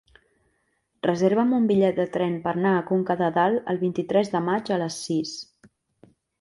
Reserva'm un bitllet de tren per anar a Conca de Dalt el vint-i-tres de maig a les sis.